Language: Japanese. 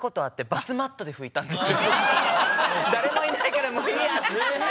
誰もいないからもういいやって。